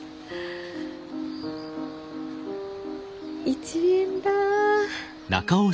１円だ。